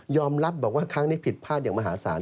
รับบอกว่าครั้งนี้ผิดพลาดอย่างมหาศาล